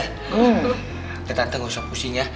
tante tante gak usah pusing ya